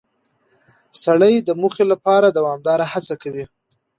سړی د موخې لپاره دوامداره هڅه کوي